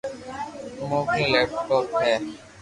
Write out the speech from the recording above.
موڪني ليپ ٽوپ ھي